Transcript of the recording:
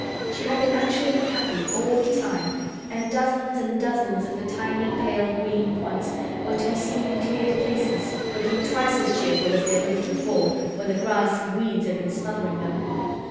She had been actually happy all the time; and dozens and dozens of the tiny, pale green points were to be seen in cleared places, looking twice as cheerful as they had looked before when the grass and weeds had been smothering them.